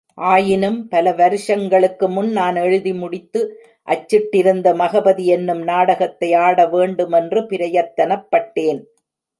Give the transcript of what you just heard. ஆயினும் பல வருஷங்களுக்கு முன் நான் எழுதி முடித்து அச்சிட்டிருந்த மகபதி என்னும் நாடகத்தை ஆட வேண்டுமென்று பிரயத்தனப்பட்டேன்.